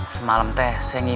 semalam teh saya ngincer